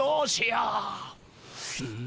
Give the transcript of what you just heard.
うん。